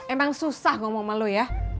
emang susah ngomel sama lu ya